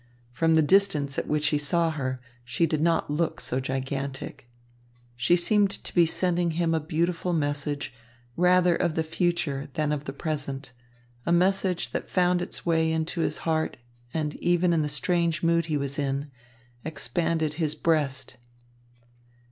From the distance at which he saw her, she did not look so gigantic. She seemed to be sending him a beautiful message, rather of the future than of the present, a message that found its way to his heart and, even in the strange mood he was in, expanded his breast.